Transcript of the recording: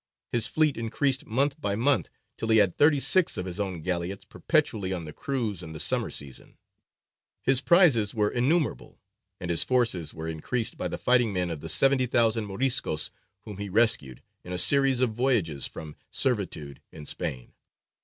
His fleet increased month by month, till he had thirty six of his own galleots perpetually on the cruise in the summer season; his prizes were innumerable, and his forces were increased by the fighting men of the seventy thousand Moriscos whom he rescued, in a series of voyages, from servitude in Spain.